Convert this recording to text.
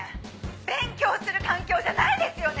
勉強する環境じゃないですよね